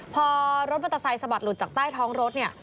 พอรถมอเตอร์ไซค์สะบัดหลุดจากใต้ท้องรถเนี่ย